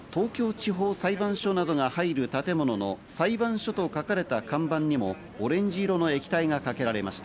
さらに道路を挟んだ、東京地方裁判所などが入る建物の裁判所と書かれた看板にもオレンジ色の液体がかけられました。